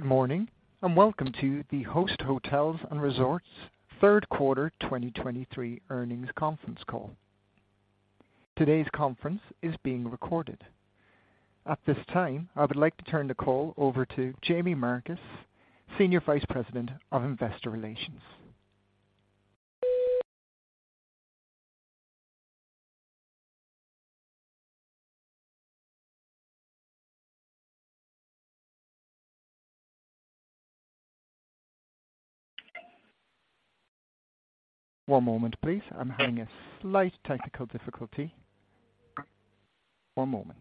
Good morning, and welcome to the Host Hotels & Resorts Q3 2023 Earnings Conference Call. Today's conference is being recorded. At this time, I would like to turn the call over to Jaime Marcus, Senior Vice President of Investor Relations. One moment, please. I'm having a slight technical difficulty. One moment.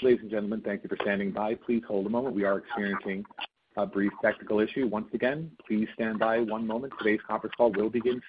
Thank you, and good morning, everyone. Before we begin,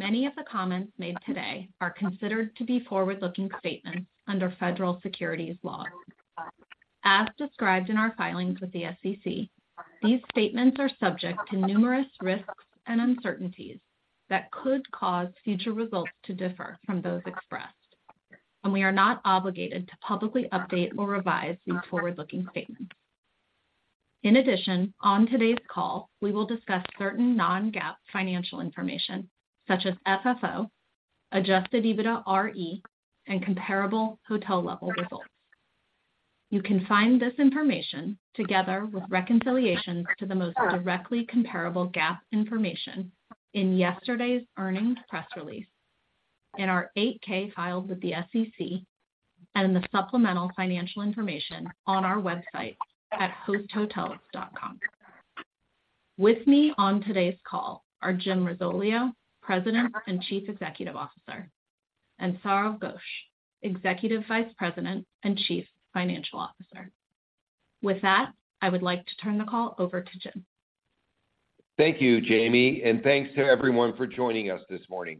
please note that many of the comments made today are considered to be forward-looking statements under federal securities laws. As described in our filings with the SEC, these statements are subject to numerous risks and uncertainties that could cause future results to differ from those expressed, and we are not obligated to publicly update or revise these forward-looking statements. In addition, on today's call, we will discuss certain non-GAAP financial information, such as FFO, Adjusted EBITDAre, and comparable hotel-level results. You can find this information, together with reconciliations to the most directly comparable GAAP information, in yesterday's earnings press release, in our 8-K filed with the SEC, and in the supplemental financial information on our website at hosthotels.com. With me on today's call are Jim Risoleo, President and Chief Executive Officer, and Sourav Ghosh, Executive Vice President and Chief Financial Officer. With that, I would like to turn the call over to Jim. Thank you, Jaime, and thanks to everyone for joining us this morning.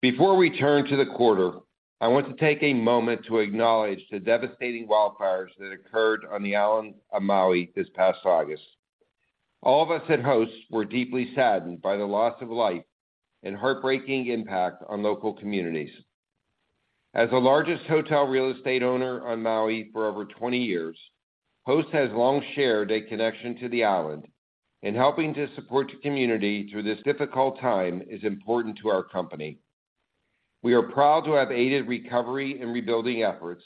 Before we turn to the quarter, I want to take a moment to acknowledge the devastating wildfires that occurred on the island of Maui this past August. All of us at Host were deeply saddened by the loss of life and heartbreaking impact on local communities. As the largest hotel real estate owner on Maui for over 20 years, Host has long shared a connection to the island, and helping to support the community through this difficult time is important to our company. We are proud to have aided recovery and rebuilding efforts,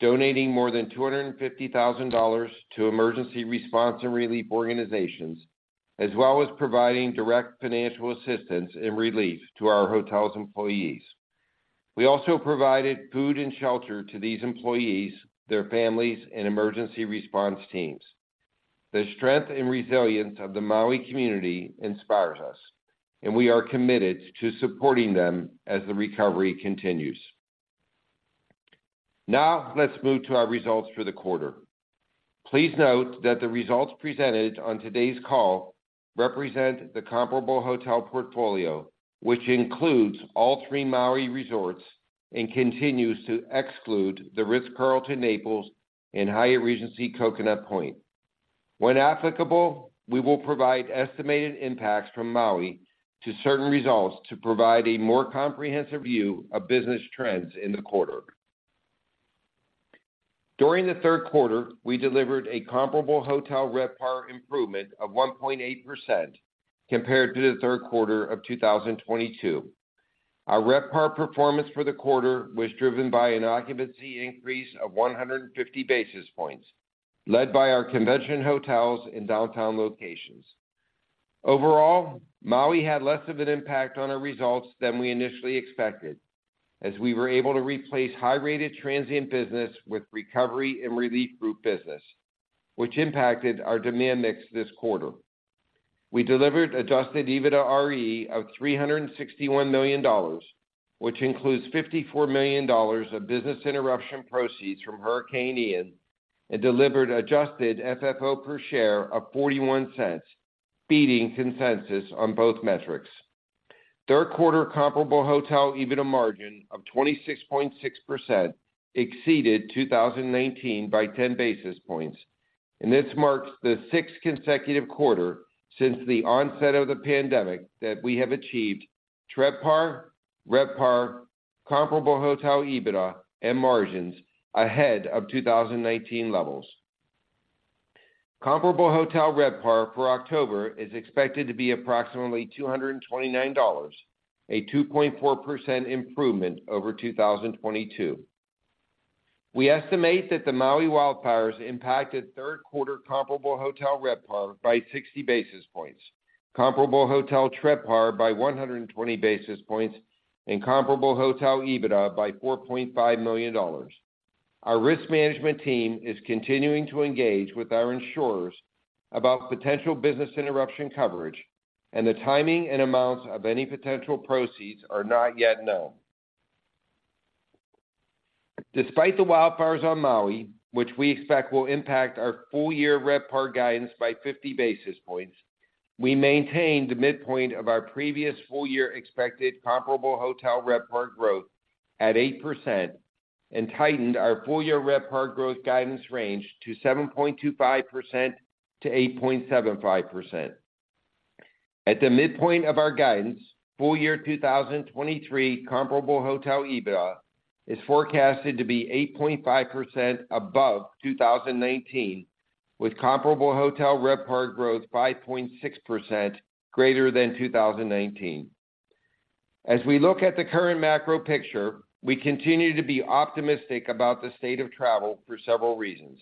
donating more than $250,000 to emergency response and relief organizations, as well as providing direct financial assistance and relief to our hotel's employees. We also provided food and shelter to these employees, their families, and emergency response teams. The strength and resilience of the Maui community inspires us, and we are committed to supporting them as the recovery continues. Now, let's move to our results for the quarter. Please note that the results presented on today's call represent the comparable hotel portfolio, which includes all three Maui resorts and continues to exclude The Ritz-Carlton, Naples, and Hyatt Regency Coconut Point. When applicable, we will provide estimated impacts from Maui to certain results to provide a more comprehensive view of business trends in the quarter. During the Q3, we delivered a comparable hotel RevPAR improvement of 1.8% compared to the Q3 of 2022. Our RevPAR performance for the quarter was driven by an occupancy increase of 150 basis points, led by our convention hotels in downtown locations. Overall, Maui had less of an impact on our results than we initially expected, as we were able to replace high-rated transient business with recovery and relief group business, which impacted our demand mix this quarter. We delivered adjusted EBITDAre of $361 million, which includes $54 million of business interruption proceeds from Hurricane Ian, and delivered adjusted FFO per share of $0.41, beating consensus on both metrics. Q3 comparable hotel EBITDA margin of 26.6% exceeded 2019 by 10 basis points, and this marks the sixth consecutive quarter since the onset of the pandemic that we have achieved TRevPAR, RevPAR, comparable hotel EBITDA, and margins ahead of 2019 levels. Comparable hotel RevPAR for October is expected to be approximately $229, a 2.4% improvement over 2022. We estimate that the Maui wildfires impacted Q3 comparable hotel RevPAR by 60 basis points, comparable hotel TRevPAR by 120 basis points, and comparable hotel EBITDA by $4.5 million. Our risk management team is continuing to engage with our insurers about potential business interruption coverage, and the timing and amounts of any potential proceeds are not yet known. Despite the wildfires on Maui, which we expect will impact our full-year RevPAR guidance by 50 basis points, we maintained the midpoint of our previous full-year expected comparable hotel RevPAR growth at 8% and tightened our full-year RevPAR growth guidance range to 7.25%-8.75%. At the midpoint of our guidance, full year 2023 comparable hotel EBITDA is forecasted to be 8.5% above 2019, with comparable hotel RevPAR growth 5.6% greater than 2019. As we look at the current macro picture, we continue to be optimistic about the state of travel for several reasons.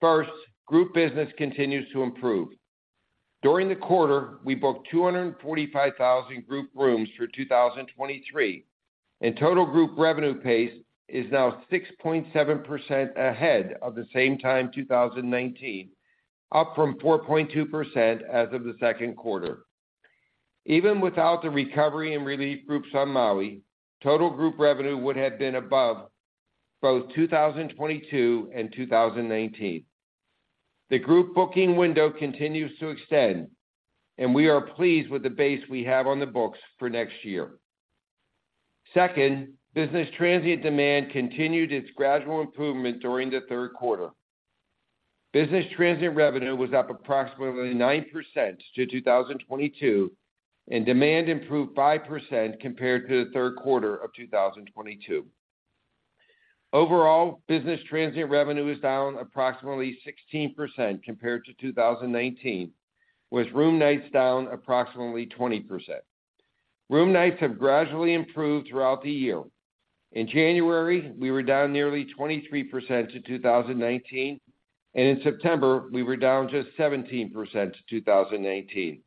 First, group business continues to improve. During the quarter, we booked 245,000 group rooms for 2023, and total group revenue pace is now 6.7% ahead of the same time, 2019, up from 4.2% as of the Q2.... Even without the recovery and relief groups on Maui, total group revenue would have been above both 2022 and 2019. The group booking window continues to extend, and we are pleased with the base we have on the books for next year. Second, business transient demand continued its gradual improvement during the Q3. Business transient revenue was up approximately 9% to 2022, and demand improved 5% compared to the Q3 of 2022. Overall, business transient revenue is down approximately 16% compared to 2019, with room nights down approximately 20%. Room nights have gradually improved throughout the year. In January, we were down nearly 23% to 2019, and in September, we were down just 17% to 2019.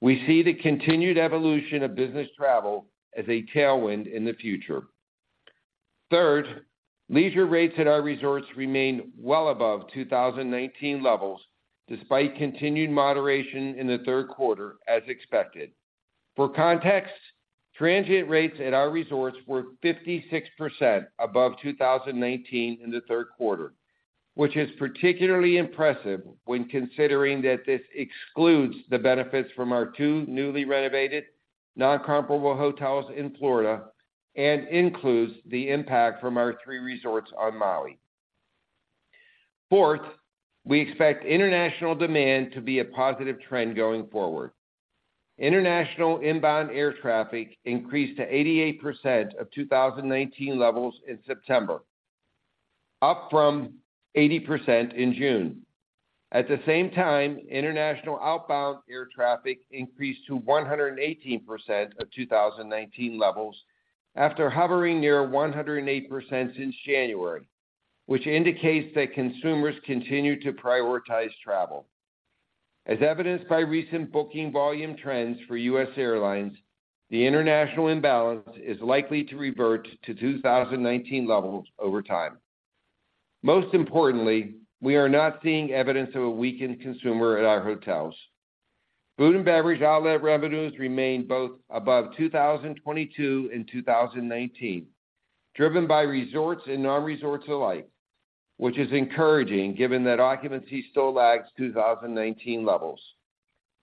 We see the continued evolution of business travel as a tailwind in the future. Third, leisure rates at our resorts remained well above 2019 levels, despite continued moderation in the Q3, as expected. For context, transient rates at our resorts were 56% above 2019 in the Q3, which is particularly impressive when considering that this excludes the benefits from our 2 newly renovated, non-comparable hotels in Florida and includes the impact from our 3 resorts on Maui. Fourth, we expect international demand to be a positive trend going forward. International inbound air traffic increased to 88% of 2019 levels in September, up from 80% in June. At the same time, international outbound air traffic increased to 118% of 2019 levels after hovering near 108% since January, which indicates that consumers continue to prioritize travel. As evidenced by recent booking volume trends for U.S. airlines, the international imbalance is likely to revert to 2019 levels over time. Most importantly, we are not seeing evidence of a weakened consumer at our hotels. Food and beverage outlet revenues remain both above 2022 and 2019, driven by resorts and non-resorts alike, which is encouraging given that occupancy still lags 2019 levels.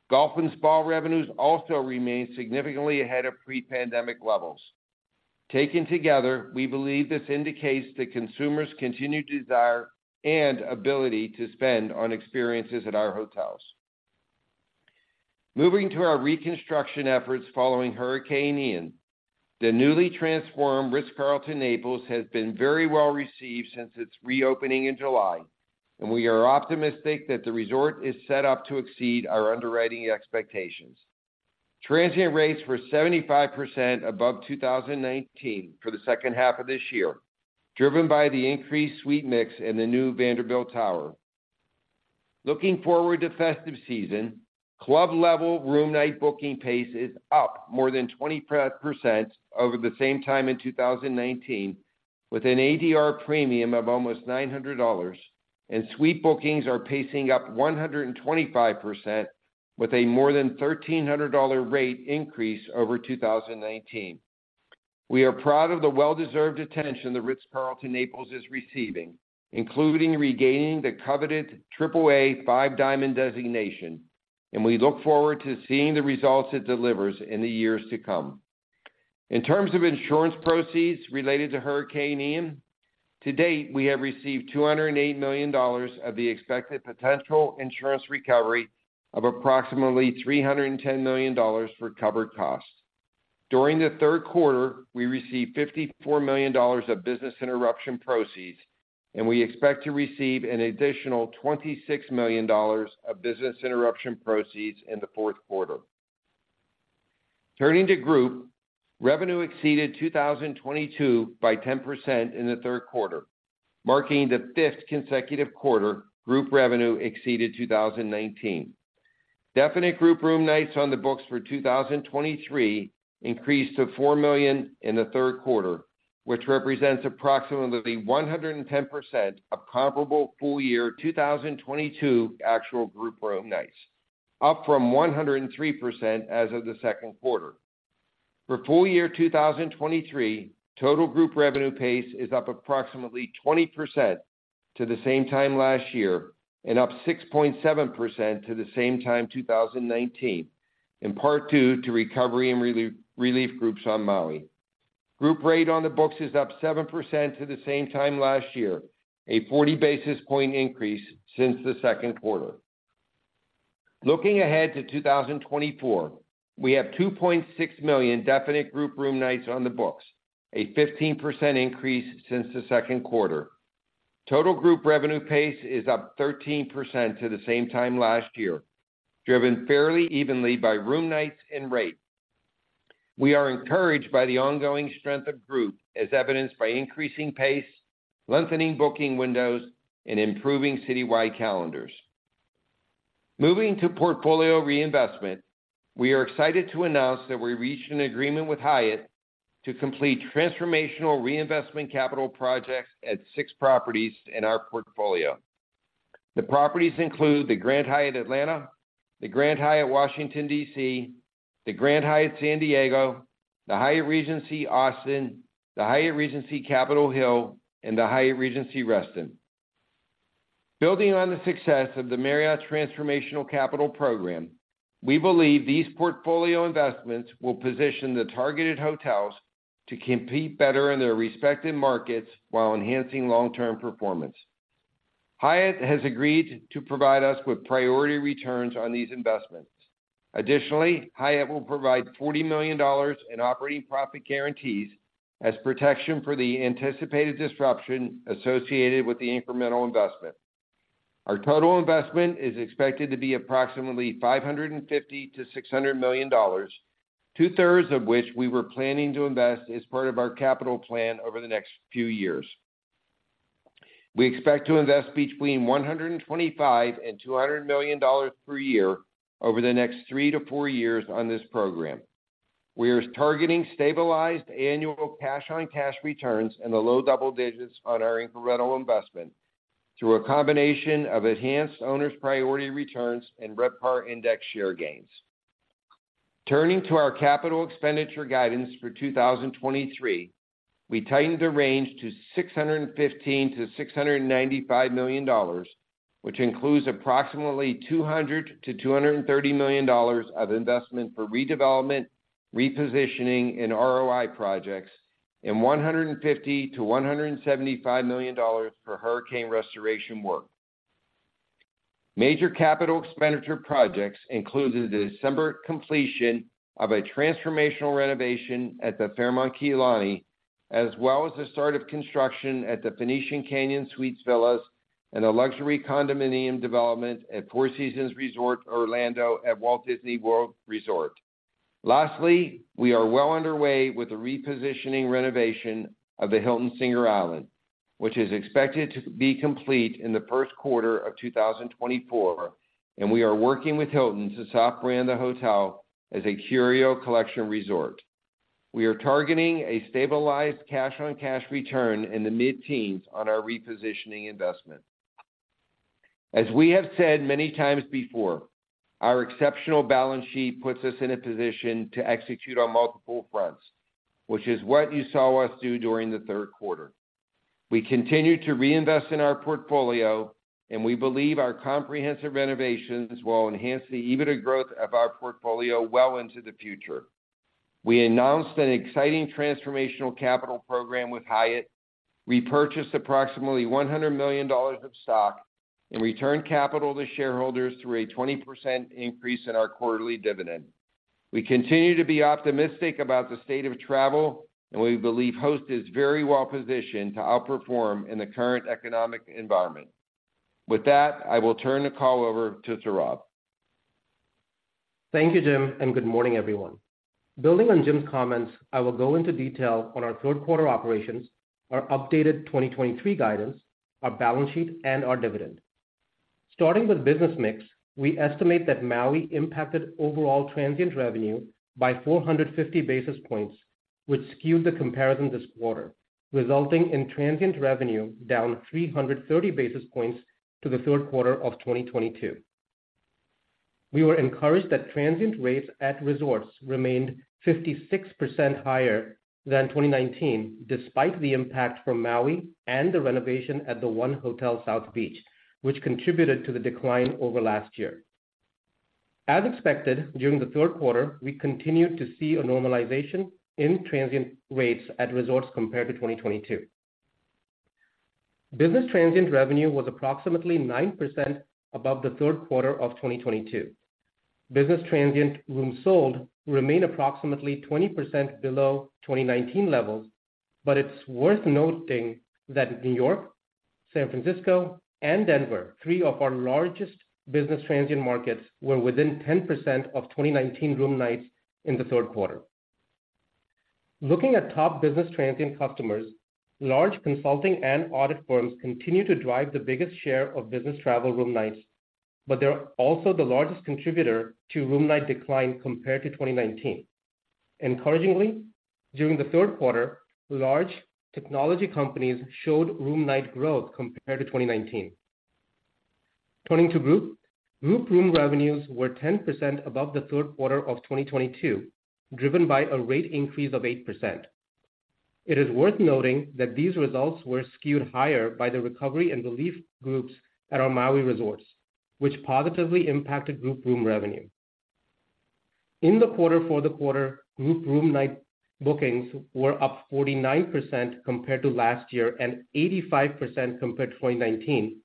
Golf and spa revenues also remain significantly ahead of pre-pandemic levels. Taken together, we believe this indicates that consumers continue to desire and ability to spend on experiences at our hotels. Moving to our reconstruction efforts following Hurricane Ian, the newly transformed Ritz-Carlton, Naples has been very well received since its reopening in July, and we are optimistic that the resort is set up to exceed our underwriting expectations. Transient rates were 75% above 2019 for the second half of this year, driven by the increased suite mix in the new Vanderbilt Tower. Looking forward to festive season, club level room night booking pace is up more than 20% over the same time in 2019, with an ADR premium of almost $900, and suite bookings are pacing up 125% with a more than $1,300 rate increase over 2019. We are proud of the well-deserved attention The Ritz-Carlton, Naples is receiving, including regaining the coveted AAA Five Diamond designation, and we look forward to seeing the results it delivers in the years to come. In terms of insurance proceeds related to Hurricane Ian, to date, we have received $208 million of the expected potential insurance recovery of approximately $310 million for covered costs. During the Q3, we received $54 million of business interruption proceeds, and we expect to receive an additional $26 million of business interruption proceeds in the Q4. Turning to group, revenue exceeded 2022 by 10% in the Q3, marking the fifth consecutive quarter group revenue exceeded 2019. Definite group room nights on the books for 2023 increased to 4 million in the Q3, which represents approximately 110% of comparable full year 2022 actual group room nights, up from 103% as of the Q2. For full year 2023, total group revenue pace is up approximately 20% to the same time last year and up 6.7% to the same time 2019, in part due to recovery and relief groups on Maui. Group rate on the books is up 7% to the same time last year, a 40 basis point increase since the Q2. Looking ahead to 2024, we have 2.6 million definite group room nights on the books, a 15% increase since the Q2. Total group revenue pace is up 13% to the same time last year, driven fairly evenly by room nights and rate. We are encouraged by the ongoing strength of group, as evidenced by increasing pace, lengthening booking windows, and improving citywide calendars. Moving to portfolio reinvestment, we are excited to announce that we reached an agreement with Hyatt to complete transformational reinvestment capital projects at six properties in our portfolio. The properties include the Grand Hyatt Atlanta, the Grand Hyatt Washington, D.C., the Grand Hyatt San Diego, the Hyatt Regency Austin, the Hyatt Regency Capitol Hill, and the Hyatt Regency Reston. Building on the success of the Marriott Transformational Capital Program, we believe these portfolio investments will position the targeted hotels to compete better in their respective markets while enhancing long-term performance. Hyatt has agreed to provide us with priority returns on these investments. Additionally, Hyatt will provide $40 million in operating profit guarantees as protection for the anticipated disruption associated with the incremental investment. Our total investment is expected to be approximately $550 million-$600 million, two-thirds of which we were planning to invest as part of our capital plan over the next few years. We expect to invest between $125 million and $200 million per year over the next 3-4 years on this program. We are targeting stabilized annual cash-on-cash returns in the low double digits on our incremental investment, through a combination of enhanced owners priority returns and RevPAR index share gains. Turning to our capital expenditure guidance for 2023, we tightened the range to $615 million-$695 million, which includes approximately $200 million-$230 million of investment for redevelopment, repositioning, and ROI projects, and $150 million-$175 million for hurricane restoration work. Major capital expenditure projects include the December completion of a transformational renovation at the Fairmont Kea Lani, as well as the start of construction at the Phoenician Canyon Suites Villas and a luxury condominium development at Four Seasons Resort Orlando at Walt Disney World Resort. Lastly, we are well underway with the repositioning renovation of the Hilton Singer Island, which is expected to be complete in the Q1 of 2024, and we are working with Hilton to soft brand the hotel as a Curio Collection Resort. We are targeting a stabilized cash-on-cash return in the mid-teens on our repositioning investment. As we have said many times before, our exceptional balance sheet puts us in a position to execute on multiple fronts, which is what you saw us do during the Q3. We continued to reinvest in our portfolio, and we believe our comprehensive renovations will enhance the EBITDA growth of our portfolio well into the future. We announced an exciting transformational capital program with Hyatt. We purchased approximately $100 million of stock and returned capital to shareholders through a 20% increase in our quarterly dividend. We continue to be optimistic about the state of travel, and we believe Host is very well positioned to outperform in the current economic environment. With that, I will turn the call over to Sourav. Thank you, Jim, and good morning, everyone. Building on Jim's comments, I will go into detail on our Q3 operations, our updated 2023 guidance, our balance sheet, and our dividend. Starting with business mix, we estimate that Maui impacted overall transient revenue by 450 basis points, which skewed the comparison this quarter, resulting in transient revenue down 330 basis points to the Q3 of 2022. We were encouraged that transient rates at resorts remained 56% higher than 2019, despite the impact from Maui and the renovation at the 1 Hotel South Beach, which contributed to the decline over last year. As expected, during the Q3, we continued to see a normalization in transient rates at resorts compared to 2022. Business transient revenue was approximately 9% above the Q3 of 2022. Business transient rooms sold remain approximately 20% below 2019 levels, but it's worth noting that New York, San Francisco, and Denver, three of our largest business transient markets, were within 10% of 2019 room nights in the Q3. Looking at top business transient customers, large consulting and audit firms continue to drive the biggest share of business travel room nights, but they're also the largest contributor to room night decline compared to 2019. Encouragingly, during the Q3, large technology companies showed room night growth compared to 2019. Turning to group. Group room revenues were 10% above the Q3 of 2022, driven by a rate increase of 8%. It is worth noting that these results were skewed higher by the recovery and relief groups at our Maui resorts, which positively impacted group room revenue. In the quarter for the quarter, group room night bookings were up 49% compared to last year and 85% compared to 2019,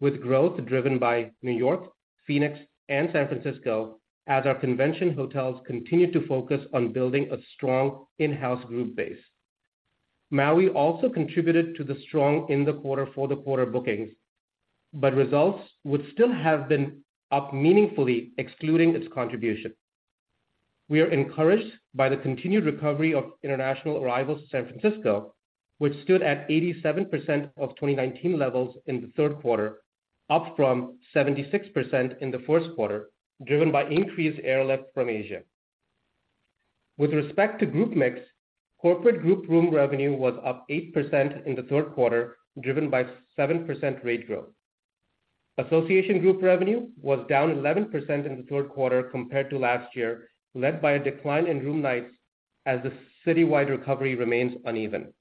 with growth driven by New York, Phoenix, and San Francisco, as our convention hotels continued to focus on building a strong in-house group base. Maui also contributed to the strong in the quarter for the quarter bookings, but results would still have been up meaningfully, excluding its contribution. We are encouraged by the continued recovery of international arrivals to San Francisco, which stood at 87% of 2019 levels in the Q3, up from 76% in the Q1, driven by increased airlifts from Asia.... With respect to group mix, corporate group room revenue was up 8% in the Q3, driven by 7% rate growth. Association group revenue was down 11% in the Q3 compared to last year, led by a decline in room nights as the citywide recovery remains uneven.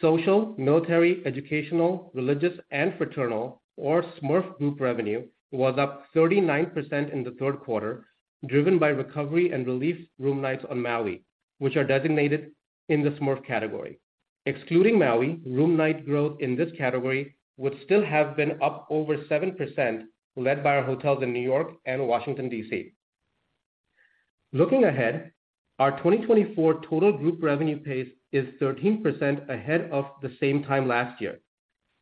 Social, military, educational, religious, and fraternal, or SMURF group revenue, was up 39% in the Q3, driven by recovery and relief room nights on Maui, which are designated in the SMURF category. Excluding Maui, room night growth in this category would still have been up over 7%, led by our hotels in New York and Washington, D.C. Looking ahead, our 2024 total group revenue pace is 13% ahead of the same time last year,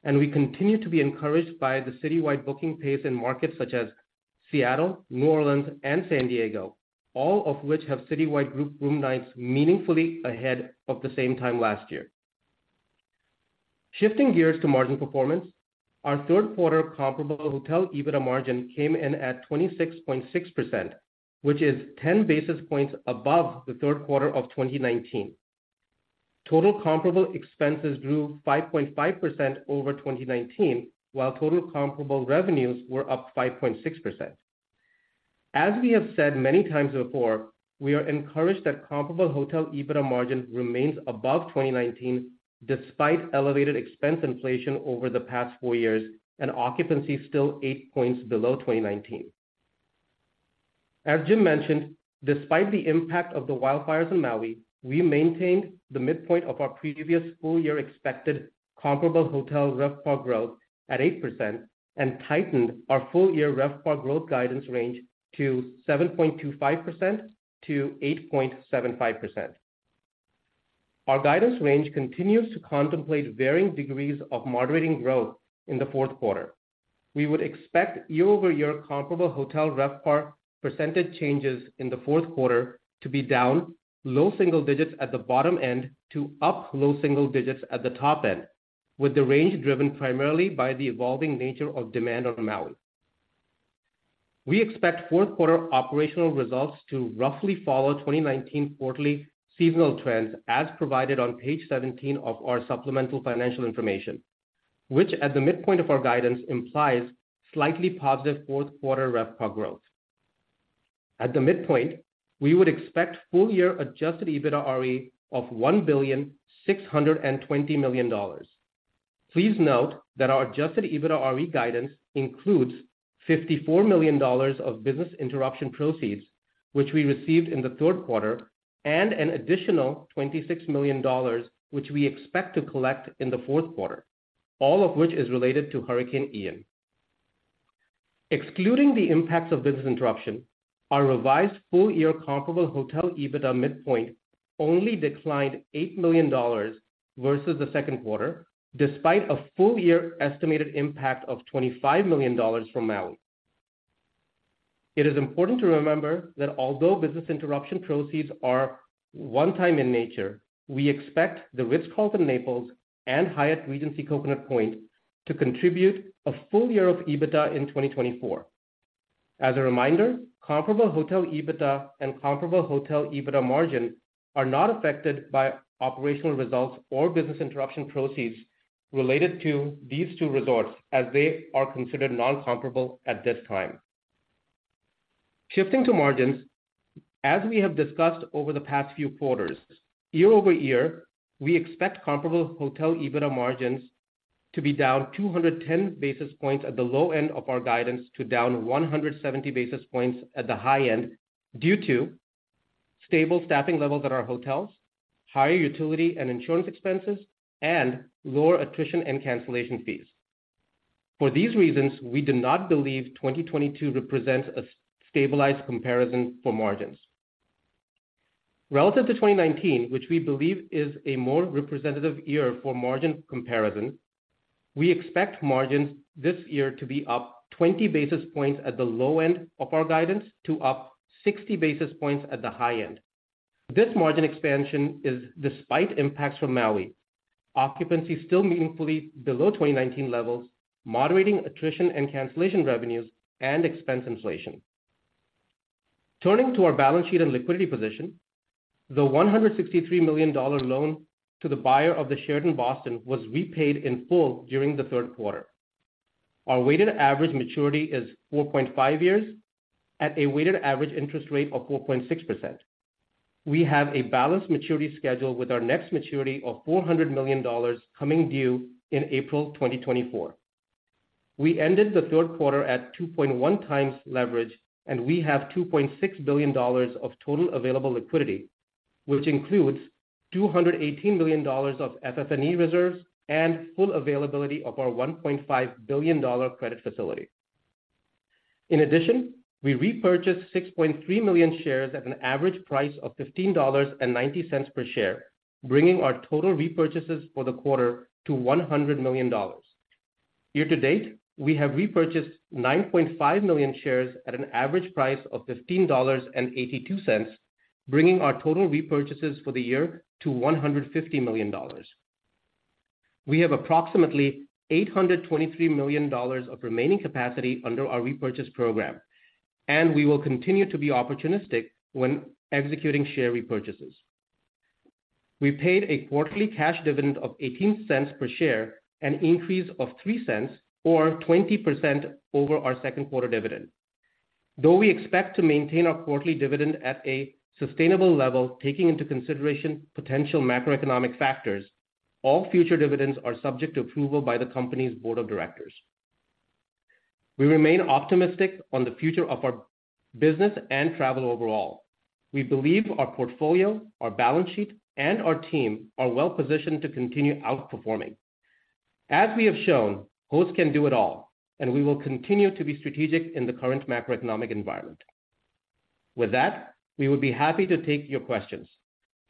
and we continue to be encouraged by the citywide booking pace in markets such as Seattle, New Orleans, and San Diego, all of which have citywide group room nights meaningfully ahead of the same time last year. Shifting gears to margin performance, our Q3 comparable hotel EBITDA margin came in at 26.6%, which is 10 basis points above the Q3 of 2019. Total comparable expenses grew 5.5% over 2019, while total comparable revenues were up 5.6%. As we have said many times before, we are encouraged that comparable hotel EBITDA margin remains above 2019, despite elevated expense inflation over the past four years and occupancy still 8 points below 2019. As Jim mentioned, despite the impact of the wildfires in Maui, we maintained the midpoint of our previous full year expected comparable hotel RevPAR growth at 8% and tightened our full year RevPAR growth guidance range to 7.25%-8.75%. Our guidance range continues to contemplate varying degrees of moderating growth in the Q4. We would expect year-over-year comparable hotel RevPAR percentage changes in the Q4 to be down, low single digits at the bottom end, to up low single digits at the top end, with the range driven primarily by the evolving nature of demand on Maui. We expect Q4 operational results to roughly follow 2019 quarterly seasonal trends, as provided on page 17 of our supplemental financial information, which, at the midpoint of our guidance, implies slightly positive Q4 RevPAR growth. At the midpoint, we would expect full year adjusted EBITDAre of $1.62 billion. Please note that our Adjusted EBITDAre guidance includes $54 million of business interruption proceeds, which we received in the Q3, and an additional $26 million, which we expect to collect in the Q4, all of which is related to Hurricane Ian. Excluding the impacts of business interruption, our revised full year comparable hotel EBITDA midpoint only declined $8 million versus the Q2, despite a full year estimated impact of $25 million from Maui. It is important to remember that although business interruption proceeds are one-time in nature, we expect the Ritz-Carlton, Naples and Hyatt Regency Coconut Point to contribute a full year of EBITDA in 2024. As a reminder, comparable hotel EBITDA and comparable hotel EBITDA margin are not affected by operational results or business interruption proceeds related to these two resorts, as they are considered non-comparable at this time. Shifting to margins, as we have discussed over the past few quarters, year-over-year, we expect comparable hotel EBITDA margins to be down 210 basis points at the low end of our guidance, to down 170 basis points at the high end due to stable staffing levels at our hotels, higher utility and insurance expenses, and lower attrition and cancellation fees. For these reasons, we do not believe 2022 represents a stabilized comparison for margins. Relative to 2019, which we believe is a more representative year for margin comparison, we expect margins this year to be up 20 basis points at the low end of our guidance to up 60 basis points at the high end. This margin expansion is despite impacts from Maui. Occupancy is still meaningfully below 2019 levels, moderating attrition and cancellation revenues and expense inflation. Turning to our balance sheet and liquidity position, the $163 million loan to the buyer of the Sheraton Boston was repaid in full during the Q3. Our weighted average maturity is 4.5 years, at a weighted average interest rate of 4.6%. We have a balanced maturity schedule with our next maturity of $400 million coming due in April 2024. We ended the Q3 at 2.1x leverage, and we have $2.6 billion of total available liquidity, which includes $218 million of FF&E reserves and full availability of our $1.5 billion credit facility. In addition, we repurchased 6.3 million shares at an average price of $15.90 per share, bringing our total repurchases for the quarter to $100 million. Year to date, we have repurchased 9.5 million shares at an average price of $15.82, bringing our total repurchases for the year to $150 million. We have approximately $823 million of remaining capacity under our repurchase program, and we will continue to be opportunistic when executing share repurchases. We paid a quarterly cash dividend of $0.18 per share, an increase of $0.03 or 20% over our Q2 dividend. Though we expect to maintain our quarterly dividend at a sustainable level, taking into consideration potential macroeconomic factors, all future dividends are subject to approval by the company's board of directors. We remain optimistic on the future of our business and travel overall. We believe our portfolio, our balance sheet, and our team are well positioned to continue outperforming. As we have shown, Host can do it all, and we will continue to be strategic in the current macroeconomic environment. With that, we would be happy to take your questions.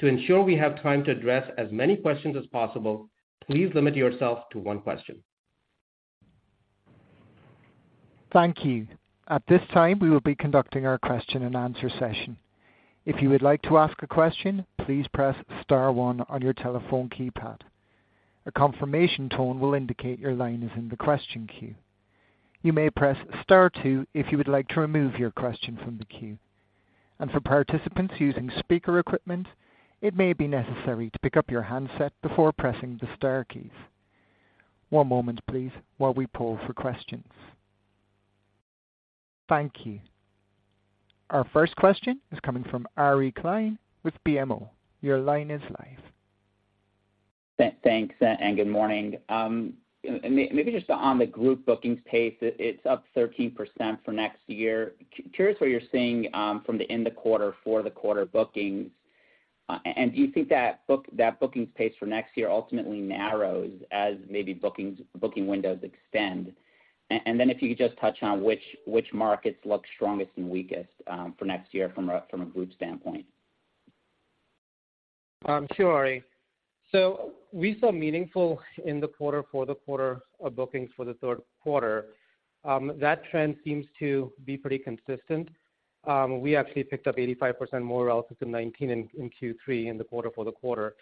To ensure we have time to address as many questions as possible, please limit yourself to one question. Thank you. At this time, we will be conducting our question and answer session. If you would like to ask a question, please press star one on your telephone keypad. A confirmation tone will indicate your line is in the question queue. You may press star two if you would like to remove your question from the queue. And for participants using speaker equipment, it may be necessary to pick up your handset before pressing the star keys. One moment, please, while we pull for questions. Thank you. Our first question is coming from Ari Klein with BMO. Your line is live. Thanks, and good morning. Maybe just on the group bookings pace, it's up 13% for next year. Curious what you're seeing from the end of quarter for the quarter bookings. And do you think that bookings pace for next year ultimately narrows as maybe bookings booking windows extend? And then if you could just touch on which markets look strongest and weakest for next year from a group standpoint. Sure, Ari. So we saw meaningful in the quarter for the quarter of bookings for the Q3. That trend seems to be pretty consistent. We actually picked up 85% more relative to 2019 in Q3 in the quarter for the quarter.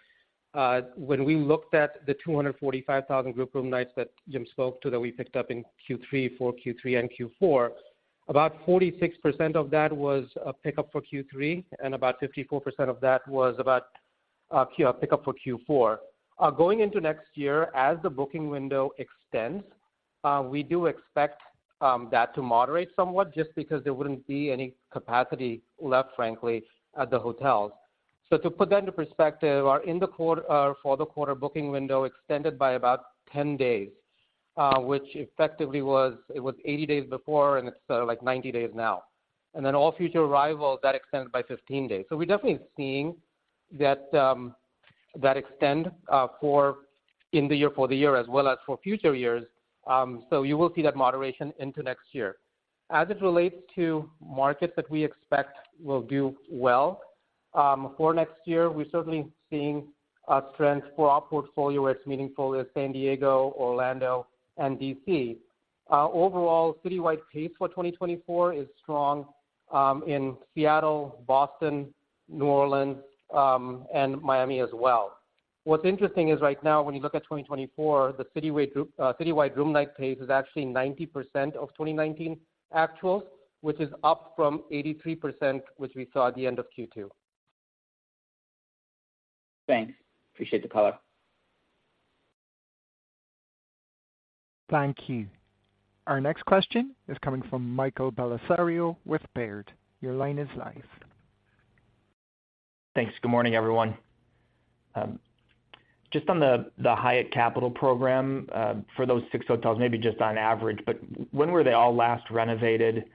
When we looked at the 245,000 group room nights that Jim spoke to, that we picked up in Q3, for Q3 and Q4, about 46% of that was a pickup for Q3, and about 54% of that was about pickup for Q4. Going into next year, as the booking window extends, we do expect that to moderate somewhat just because there wouldn't be any capacity left, frankly, at the hotels. So to put that into perspective, our end of quarter for the quarter booking window extended by about 10 days, which effectively was, it was 80 days before, and it's, like, 90 days now, and then all future arrivals, that extended by 15 days. So we're definitely seeing that that extend for the year as well as for future years. So you will see that moderation into next year. As it relates to markets that we expect will do well for next year, we're certainly seeing a strength for our portfolio where it's meaningful is San Diego, Orlando, and D.C. Overall, citywide pace for 2024 is strong in Seattle, Boston, New Orleans, and Miami as well. What's interesting is right now, when you look at 2024, the citywide group, citywide room night pace is actually 90% of 2019 actual, which is up from 83%, which we saw at the end of Q2. Thanks. Appreciate the color. Thank you. Our next question is coming from Michael Bellisario with Baird. Your line is live. Thanks. Good morning, everyone. Just on the Hyatt Capital program, for those six hotels, maybe just on average, but when were they all last renovated?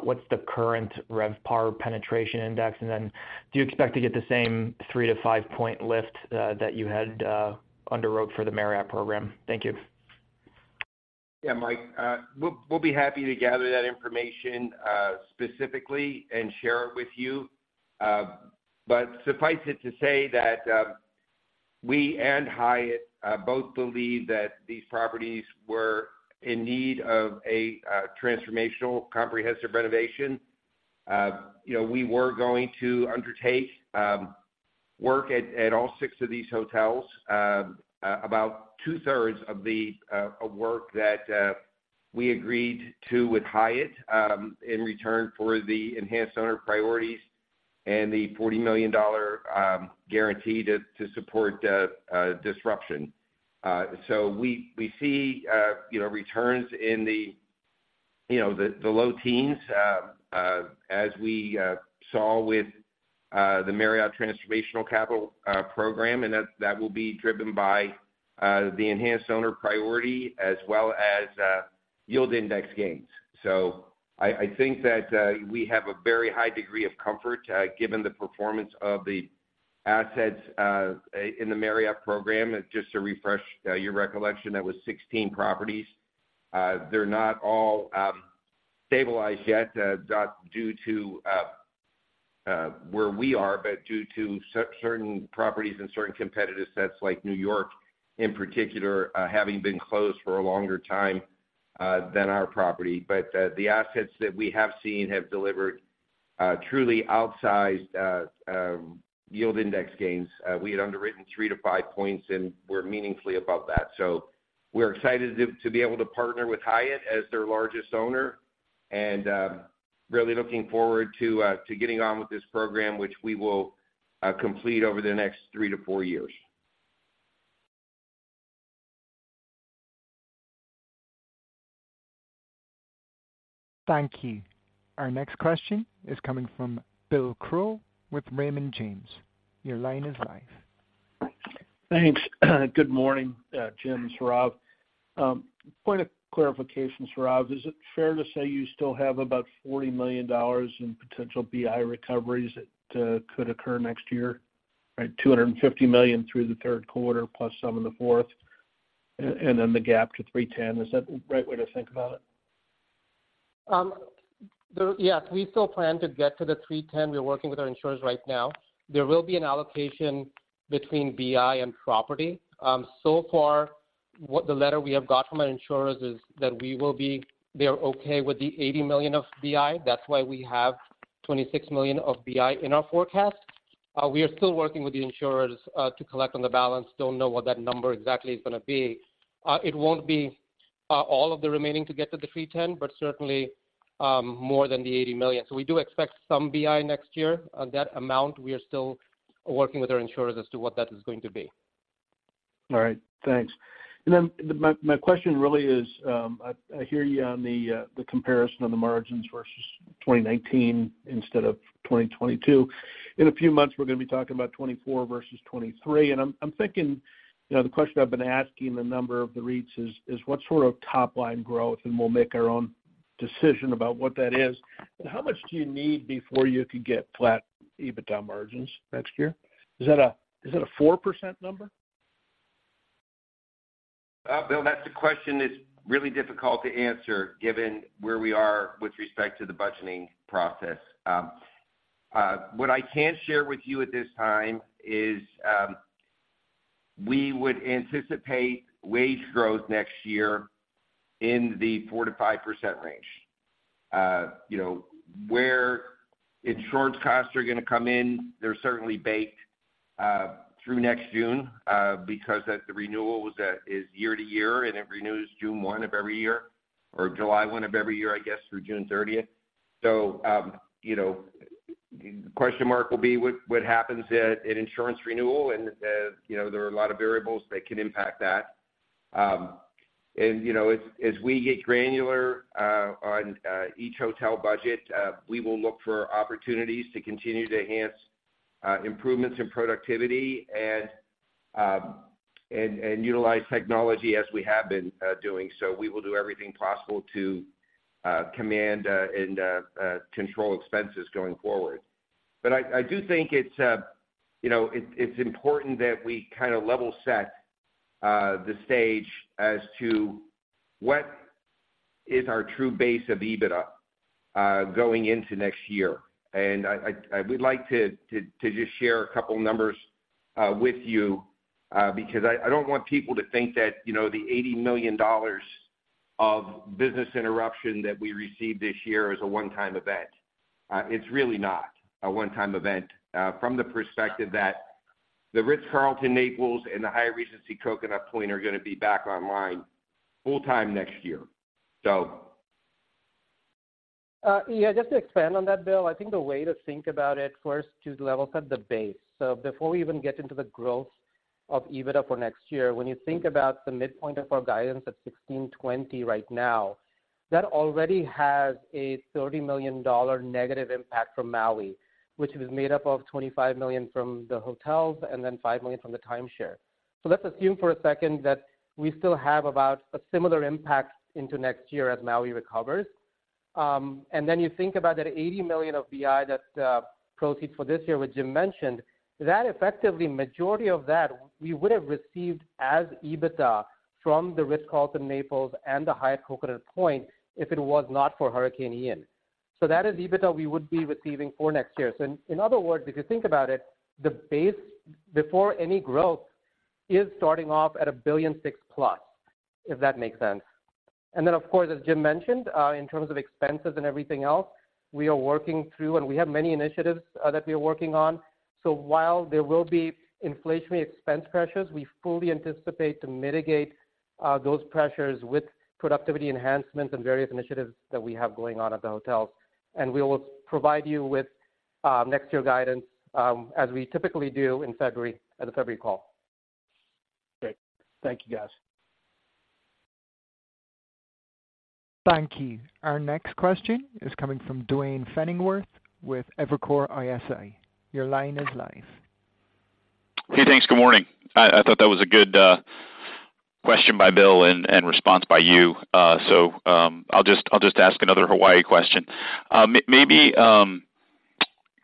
What's the currenTRevPAR penetration index, and then do you expect to get the same 3-5 point lift, that you had, underwrote for the Marriott program? Thank you. Yeah, Mike, we'll be happy to gather that information specifically and share it with you. But suffice it to say that we and Hyatt both believe that these properties were in need of a transformational, comprehensive renovation. You know, we were going to undertake work at all six of these hotels, about two-thirds of the work that we agreed to with Hyatt, in return for the enhanced owner priorities and the $40 million guarantee to support disruption. So we see, you know, returns in the low teens, as we saw with the Marriott Transformational Capital Program, and that will be driven by the enhanced owner priority as well as yield index gains. So I think that we have a very high degree of comfort, given the performance of the assets in the Marriott program. Just to refresh your recollection, that was 16 properties. They're not all stabilized yet, not due to where we are, but due to certain properties and certain competitive sets like New York in particular having been closed for a longer time than our property. But the assets that we have seen have delivered-... truly outsized Yield Index gains. We had underwritten 3-5 points, and we're meaningfully above that. So we're excited to be able to partner with Hyatt as their largest owner, and really looking forward to getting on with this program, which we will complete over the next 3-4 years. Thank you. Our next question is coming from Bill Crow with Raymond James. Your line is live. Thanks. Good morning, Jim, Sourav. Point of clarification, Sourav: is it fair to say you still have about $40 million in potential BI recoveries that could occur next year? Right, $250 million through the Q3, plus some in the fourth, and, and then the gap to $310 million, is that the right way to think about it? Yeah, we still plan to get to the $310 million. We're working with our insurers right now. There will be an allocation between BI and property. So far, what the letter we have got from our insurers is that they are okay with the $80 million of BI. That's why we have $26 million of BI in our forecast. We are still working with the insurers to collect on the balance. Don't know what that number exactly is gonna be. It won't be all of the remaining to get to the $310 million, but certainly more than the $80 million. So we do expect some BI next year. That amount, we are still working with our insurers as to what that is going to be. All right, thanks. Then my question really is, I hear you on the comparison on the margins versus 2019 instead of 2022. In a few months, we're gonna be talking about 2024 versus 2023, and I'm thinking, you know, the question I've been asking a number of the REITs is, what sort of top-line growth, and we'll make our own decision about what that is. But how much do you need before you could get flat EBITDA margins next year? Is that a 4% number? Bill, that's a question that's really difficult to answer, given where we are with respect to the budgeting process. What I can share with you at this time is, we would anticipate wage growth next year in the 4%-5% range. You know, where insurance costs are gonna come in, they're certainly baked through next June, because as the renewal was, is year to year, and it renews June 1 of every year, or July 1 of every year, I guess, through June 30. So, you know, question mark will be what, what happens at, at insurance renewal, and, you know, there are a lot of variables that can impact that. You know, as we get granular on each hotel budget, we will look for opportunities to continue to enhance improvements in productivity and utilize technology as we have been doing. So we will do everything possible to command and control expenses going forward. But I do think it's important that we kind of level set the stage as to what is our true base of EBITDA going into next year. And I would like to just share a couple numbers with you because I don't want people to think that, you know, the $80 million of business interruption that we received this year is a one-time event.It's really not a one-time event, from the perspective that the Ritz-Carlton Naples and the Hyatt Regency Coconut Point are gonna be back online full-time next year. So... Yeah, just to expand on that, Bill, I think the way to think about it, first, to level set the base. So before we even get into the growth of EBITDA for next year, when you think about the midpoint of our guidance at $1,620 right now, that already has a $30 million negative impact from Maui, which is made up of $25 million from the hotels and then $5 million from the timeshare. So let's assume for a second that we still have about a similar impact into next year as Maui recovers. And then you think about that $80 million of BI proceeds for this year, which Jim mentioned, that effectively, majority of that we would have received as EBITDA from the Ritz-Carlton Naples and the Hyatt Coconut Point if it was not for Hurricane Ian. So that is EBITDA we would be receiving for next year. So in, in other words, if you think about it, the base before any growth is starting off at $1.6 billion+, if that makes sense. And then, of course, as Jim mentioned, in terms of expenses and everything else, we are working through, and we have many initiatives that we are working on. So while there will be inflationary expense pressures, we fully anticipate to mitigate those pressures with productivity enhancements and various initiatives that we have going on at the hotels. And we will provide you with next year guidance, as we typically do in February, at the February call. Great. Thank you, guys. Thank you. Our next question is coming from Duane Pfennigwerth with Evercore ISI. Your line is live. Hey, thanks. Good morning. I thought that was a good question by Bill and response by you. So, I'll just ask another Hawaii question. Maybe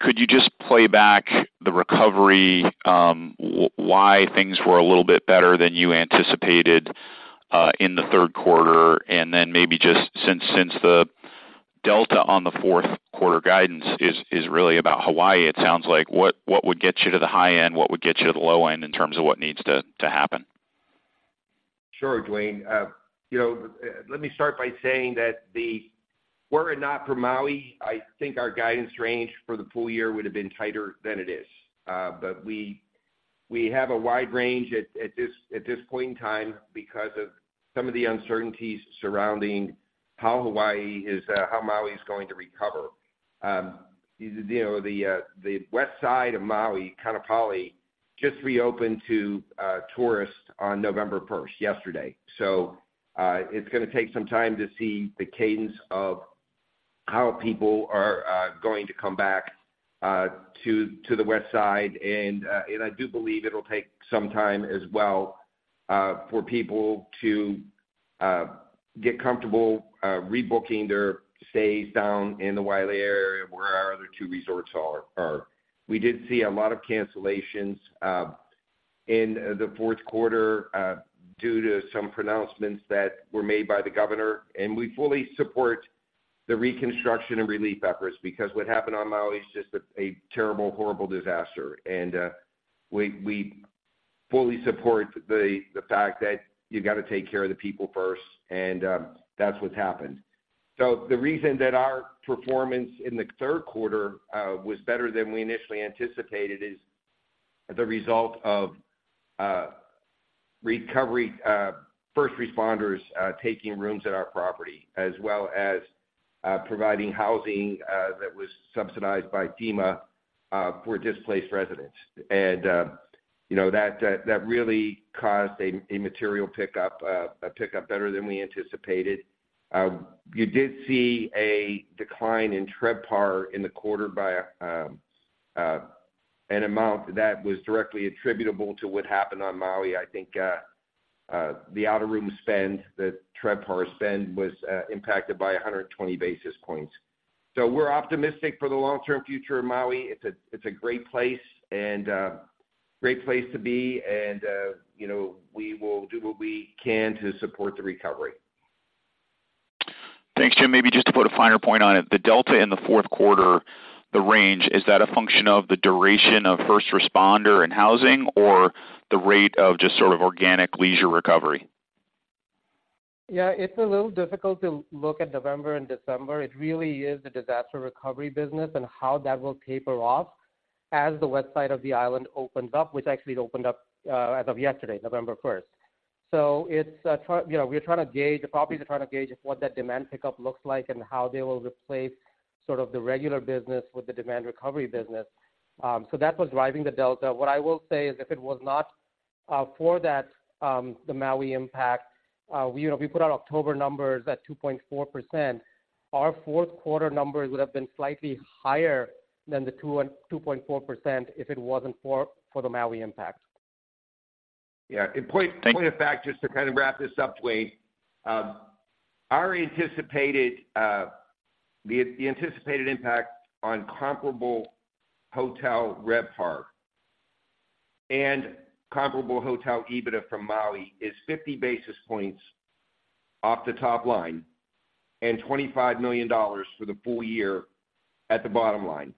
could you just play back the recovery, why things were a little bit better than you anticipated in the Q3? And then maybe just since the delta on the Q4 guidance is really about Hawaii, it sounds like, what would get you to the high end, what would get you to the low end in terms of what needs to happen? Sure, Duane. You know, let me start by saying that the, were it not for Maui, I think our guidance range for the full year would have been tighter than it is. But we have a wide range at this point in time because of some of the uncertainties surrounding how Hawaii is, how Maui is going to recover. You know, the west side of Maui, Kaanapali, just reopened to tourists on November first, yesterday. So, it's gonna take some time to see the cadence of how people are going to come back to the west side. And I do believe it'll take some time as well for people to get comfortable rebooking their stays down in the Wailea area where our other two resorts are. We did see a lot of cancellations in the Q4 due to some pronouncements that were made by the governor, and we fully support the reconstruction and relief efforts, because what happened on Maui is just a terrible, horrible disaster. And we fully support the fact that you got to take care of the people first, and that's what's happened. So the reason that our performance in the Q3 was better than we initially anticipated is the result of recovery first responders taking rooms at our property, as well as providing housing that was subsidized by FEMA for displaced residents. And you know, that really caused a material pickup, a pickup better than we anticipated. You did see a decline in TRevPAR in the quarter by an amount that was directly attributable to what happened on Maui. I think the out-of-room spend, the TRevPAR spend, was impacted by 120 basis points. So we're optimistic for the long-term future of Maui. It's a, it's a great place and great place to be, and you know, we will do what we can to support the recovery. Thanks, Jim. Maybe just to put a finer point on it, the delta in the Q4, the range, is that a function of the duration of first responder and housing, or the rate of just sort of organic leisure recovery? Yeah, it's a little difficult to look at November and December. It really is a disaster recovery business and how that will taper off as the west side of the island opens up, which actually opened up as of yesterday, November 1. So it's, you know, we're trying to gauge, the properties are trying to gauge what that demand pickup looks like and how they will replace sort of the regular business with the demand recovery business. So that's what's driving the delta. What I will say is, if it was not for that, the Maui impact, you know, we put out October numbers at 2.4%. Our Q4 numbers would have been slightly higher than the 2.4% if it wasn't for the Maui impact. Yeah. Point of fact, just to kind of wrap this up, Duane. Our anticipated impact on comparable hotel RevPAR and comparable hotel EBITDA from Maui is 50 basis points off the top line and $25 million for the full year at the bottom line.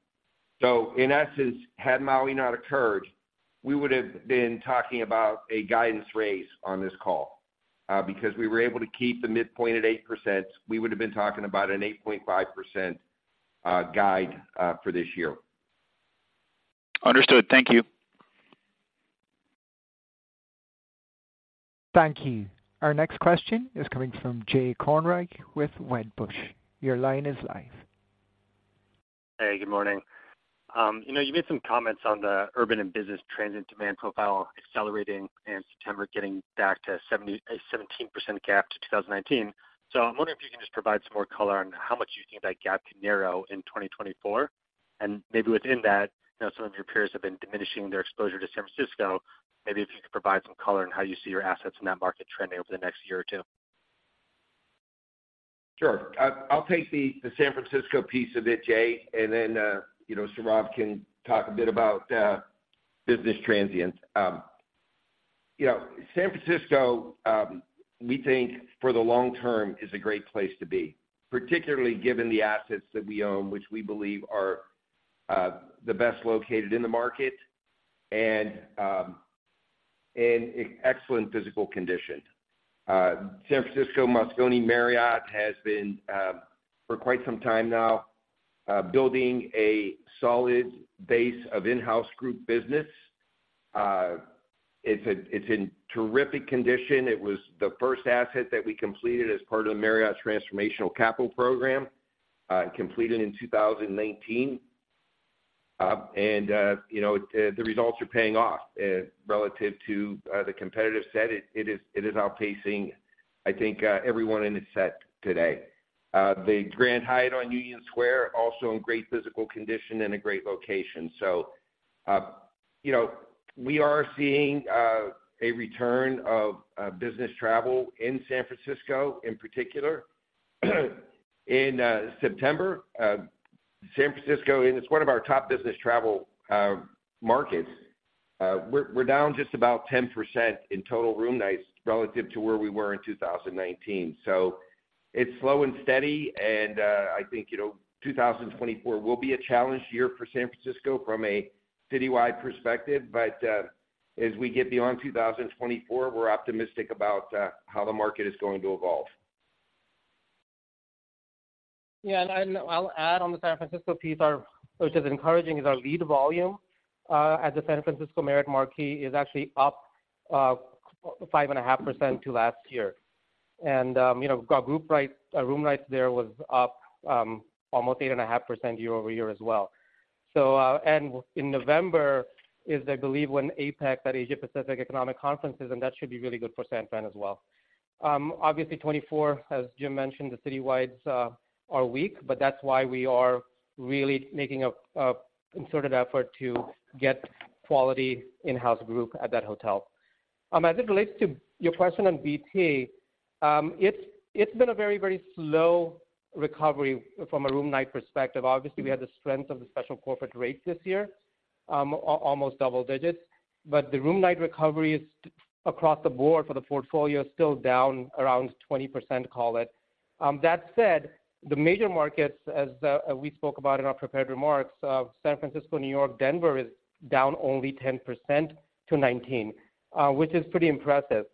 So in essence, had Maui not occurred, we would have been talking about a guidance raise on this call, because we were able to keep the midpoint at 8%. We would have been talking about an 8.5% guide for this year. Understood. Thank you. Thank you. Our next question is coming from Jay Kornreich with Wedbush. Your line is live. Hey, good morning. You know, you made some comments on the urban and business transient demand profile accelerating in September, getting back to 70%, 17% gap to 2019. So I'm wondering if you can just provide some more color on how much you think that gap can narrow in 2024. And maybe within that, you know, some of your peers have been diminishing their exposure to San Francisco. Maybe if you could provide some color on how you see your assets in that market trending over the next year or two. Sure. I'll take the San Francisco piece of it, Jay, and then, you know, Sourav can talk a bit about business transients. You know, San Francisco, we think for the long term, is a great place to be, particularly given the assets that we own, which we believe are the best located in the market and in excellent physical condition. San Francisco Marriott Marquis has been for quite some time now building a solid base of in-house group business. It's in terrific condition. It was the first asset that we completed as part of the Marriott Transformational Capital Program, completed in 2019. And you know, the results are paying off relative to the competitive set. It is outpacing, I think, everyone in the set today. The Grand Hyatt on Union Square, also in great physical condition and a great location. So, you know, we are seeing a return of business travel in San Francisco in particular. In September, San Francisco, and it's one of our top business travel markets, we're down just about 10% in total room nights relative to where we were in 2019. So it's slow and steady, and, I think, you know, 2024 will be a challenge year for San Francisco from a citywide perspective. But, as we get beyond 2024, we're optimistic about how the market is going to evolve. Yeah, and I'll add on the San Francisco piece, our, which is encouraging, is our lead volume at the San Francisco Marriott Marquis is actually up five and a half percent to last year. And, you know, our group rates, our room nights there was up almost eight and a half percent year-over-year as well. So, and in November is, I believe, when APEC, that Asia Pacific Economic Conference is, and that should be really good for San Fran as well. Obviously, 2024, as Jim mentioned, the citywides are weak, but that's why we are really making a concerted effort to get quality in-house group at that hotel. As it relates to your question on BT, it's been a very, very slow recovery from a room night perspective. Obviously, we had the strength of the special corporate rates this year, almost double digits, but the room night recovery is across the board for the portfolio, still down around 20%, call it. That said, the major markets, as we spoke about in our prepared remarks, San Francisco, New York, Denver, is down only 10% to 19%, which is pretty impressive.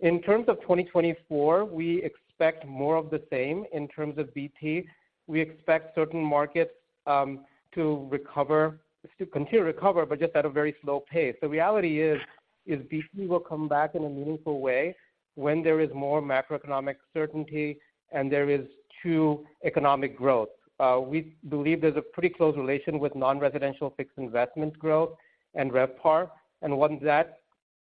In terms of 2024, we expect more of the same in terms of BT. We expect certain markets to continue to recover, but just at a very slow pace. The reality is BT will come back in a meaningful way when there is more macroeconomic certainty and there is true economic growth. We believe there's a pretty close relation with non-residential fixed investment growth and RevPAR. Once that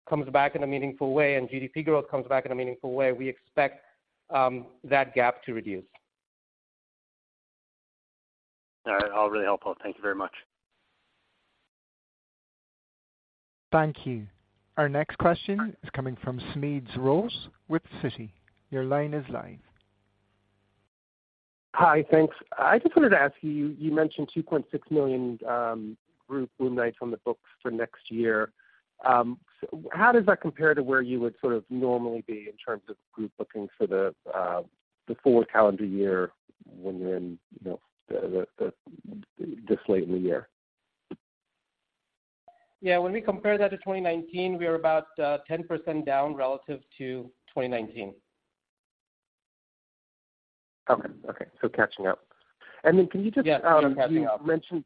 comes back in a meaningful way and GDP growth comes back in a meaningful way, we expect that gap to reduce. All right. All really helpful. Thank you very much. Thank you. Our next question is coming from Smedes Rose with Citi. Your line is live. Hi, thanks. I just wanted to ask you, you mentioned 2.6 million group room nights on the books for next year. So how does that compare to where you would sort of normally be in terms of group bookings for the full calendar year when you're in, you know, this late in the year? Yeah, when we compare that to 2019, we are about 10% down relative to 2019. Okay. Okay, so catching up. And then can you just- Yes, catching up. You mentioned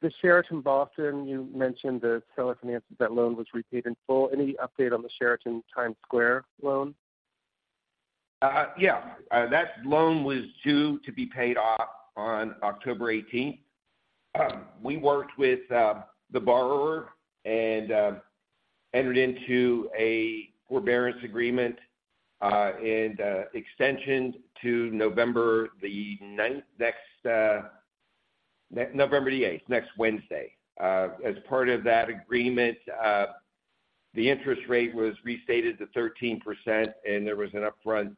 the Sheraton Boston. You mentioned the seller finance. That loan was repaid in full. Any update on the Sheraton Times Square loan? Yeah. That loan was due to be paid off on October 18. We worked with the borrower and entered into a forbearance agreement and extension to November 9, next, November 8, next Wednesday. As part of that agreement, the interest rate was restated to 13%, and there was an upfront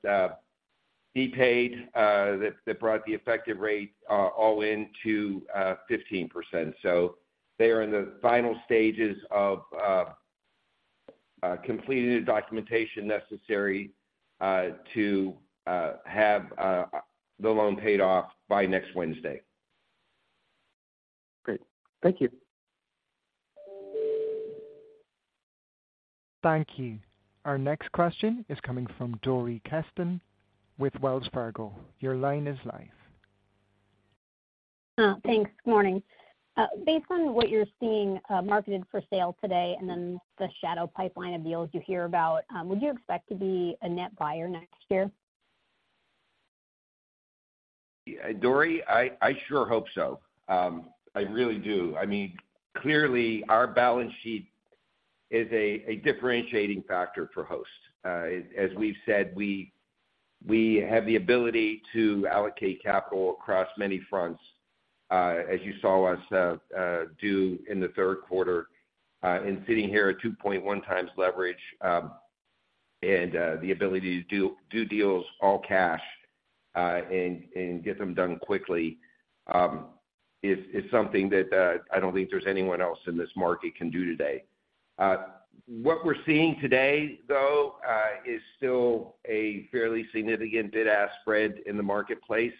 fee paid that brought the effective rate all in to 15%. So they are in the final stages of completing the documentation necessary to have the loan paid off by next Wednesday. Great. Thank you. Thank you. Our next question is coming from Dori Kesten with Wells Fargo. Your line is live. Thanks. Morning. Based on what you're seeing, marketed for sale today and then the shadow pipeline of deals you hear about, would you expect to be a net buyer next year? Dori, I sure hope so. I really do. I mean, clearly, our balance sheet is a differentiating factor for Host. As we've said, we have the ability to allocate capital across many fronts, as you saw us do in the Q3, in sitting here at 2.1x leverage, and the ability to do deals all cash, and get them done quickly, is something that I don't think there's anyone else in this market can do today. What we're seeing today, though, is still a fairly significant bid-ask spread in the marketplace.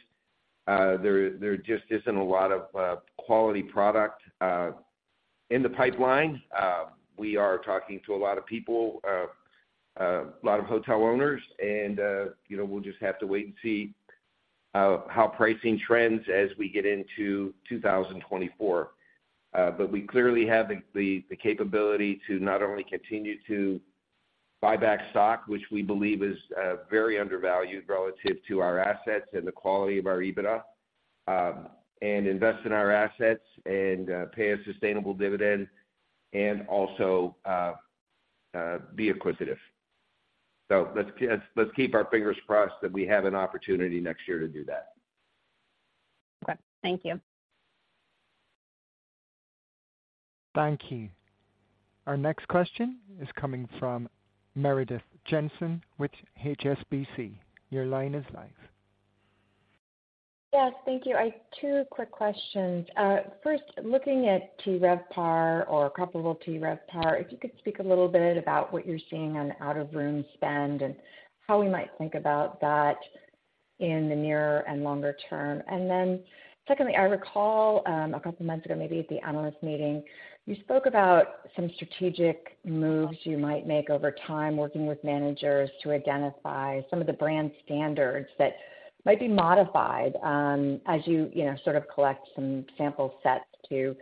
There just isn't a lot of quality product in the pipeline. We are talking to a lot of people, a lot of hotel owners, and, you know, we'll just have to wait and see how pricing trends as we get into 2024. But we clearly have the capability to not only continue to buy back stock, which we believe is very undervalued relative to our assets and the quality of our EBITDA, and invest in our assets and pay a sustainable dividend and also be acquisitive. So let's keep our fingers crossed that we have an opportunity next year to do that. Okay. Thank you. Thank you. Our next question is coming from Meredith Jensen with HSBC. Your line is live. Yes, thank you. I have two quick questions. First, looking at TRevPAR or comparable TRevPAR, if you could speak a little bit about what you're seeing on out-of-room spend and how we might think about that in the nearer and longer term? And then secondly, I recall, a couple months ago, maybe at the analyst meeting, you spoke about some strategic moves you might make over time, working with managers to identify some of the brand standards that might be modified, as you, you know, sort of collect some sample sets to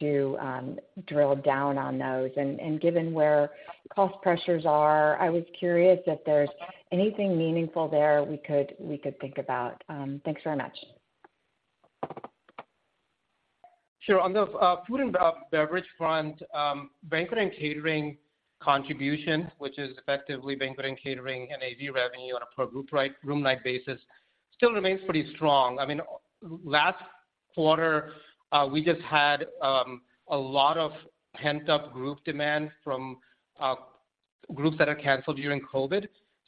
drill down on those. And, given where cost pressures are, I was curious if there's anything meaningful there we could think about. Thanks very much. Sure. On the food and beverage front, banquet and catering contribution, which is effectively banquet and catering and AV revenue on a per group room night basis, still remains pretty strong. I mean, last quarter, we just had a lot of pent-up group demand from groups that are canceled during COVID.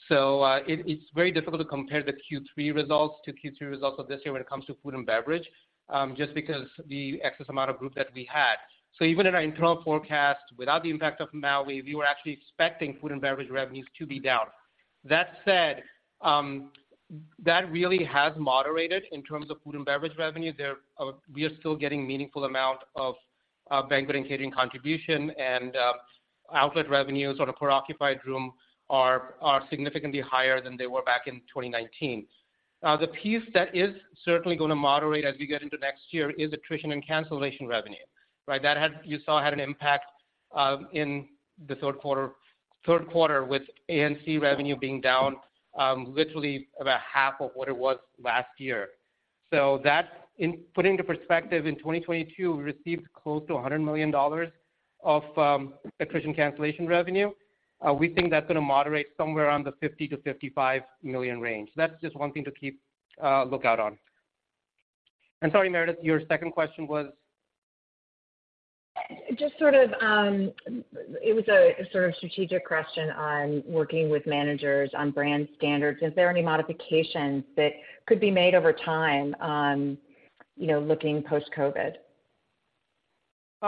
So, it's very difficult to compare the Q3 results to Q2 results of this year when it comes to food and beverage, just because the excess amount of group that we had. So even in our internal forecast, without the impact of Maui, we were actually expecting food and beverage revenues to be down. That said, that really has moderated in terms of food and beverage revenue. There, we are still getting meaningful amount of, banquet and catering contribution, and, outlet revenues on a per occupied room are, are significantly higher than they were back in 2019. The piece that is certainly going to moderate as we get into next year is attrition and cancellation revenue, right? That had—you saw, had an impact, in the Q3, Q3, with A&C revenue being down, literally about half of what it was last year. So that, in putting into perspective, in 2022, we received close to $100 million of, attrition cancellation revenue. We think that's going to moderate somewhere around the $50 million-$55 million range. That's just one thing to keep, lookout on. And sorry, Meredith, your second question was? Just sort of, it was a sort of strategic question on working with managers on brand standards. Is there any modifications that could be made over time on, you know, looking post-COVID?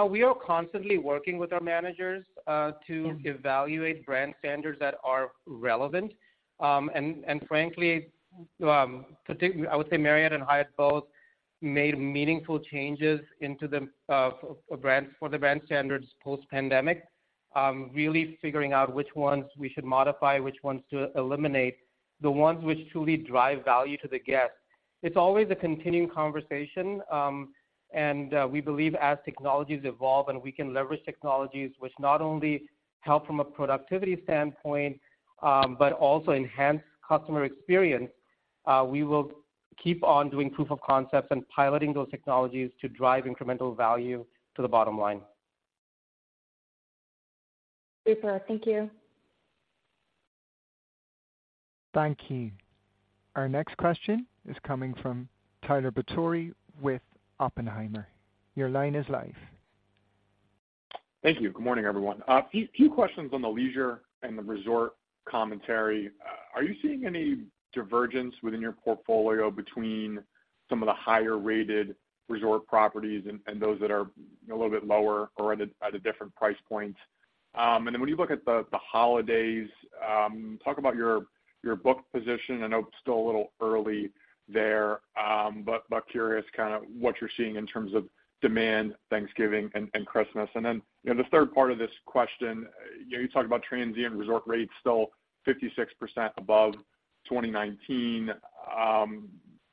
We are constantly working with our managers to evaluate brand standards that are relevant. Frankly, I would say Marriott and Hyatt both made meaningful changes to the brand standards post-pandemic. Really figuring out which ones we should modify, which ones to eliminate, the ones which truly drive value to the guest. It's always a continuing conversation, and we believe as technologies evolve and we can leverage technologies which not only help from a productivity standpoint, but also enhance customer experience, we will keep on doing proof of concepts and piloting those technologies to drive incremental value to the bottom line. Great. Thank you. Thank you. Our next question is coming from Tyler Batory with Oppenheimer. Your line is live. Thank you. Good morning, everyone. A few questions on the leisure and the resort commentary. Are you seeing any divergence within your portfolio between some of the higher-rated resort properties and those that are a little bit lower or at a different price point? And then when you look at the holidays, talk about your book position. I know it's still a little early there, but curious kind of what you're seeing in terms of demand, Thanksgiving and Christmas. And then, you know, the third part of this question, you know, you talked about transient resort rates still 56% above 2019.